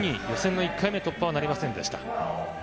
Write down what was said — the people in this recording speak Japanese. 予選の１回目突破はなりませんでした。